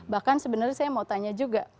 bahkan sebenarnya saya mau tanya juga